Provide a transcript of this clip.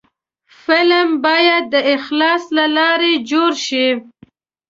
فلم باید د اخلاص له لارې جوړ شي